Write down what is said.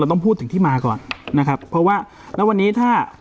ต้องพูดถึงที่มาก่อนนะครับเพราะว่าแล้ววันนี้ถ้า